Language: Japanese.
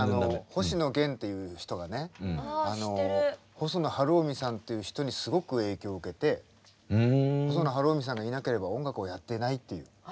細野晴臣さんっていう人にすごく影響を受けて細野晴臣さんがいなければ音楽をやっていないっていう。